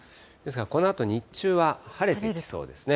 このあと日中は晴れてきそうですね。